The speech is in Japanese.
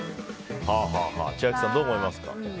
千秋さん、どう思いますか？